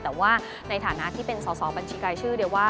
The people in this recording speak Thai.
แต่ว่าในฐานะที่เป็นสอบบัญชีรายชื่อ